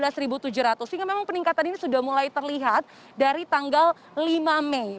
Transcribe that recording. sehingga memang peningkatan ini sudah mulai terlihat dari tanggal lima mei